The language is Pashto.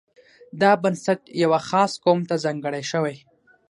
دا بنسټ یوه خاص قوم ته ځانګړی شوی.